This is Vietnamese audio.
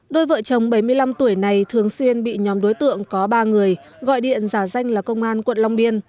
đôi vợ chồng bảy mươi năm tuổi này thường xuyên bị nhóm đối tượng có ba người gọi điện giả danh là công an quận long biên